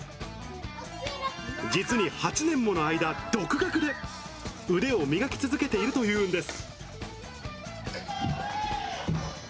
実に８年もの間、独学で腕を磨き続けているというんです。